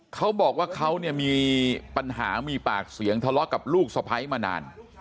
เขาบอกว่าเขาเนี่ยมีปัญหามีปากเสียงทะเลาะกับลูกสะพ้ายมานาน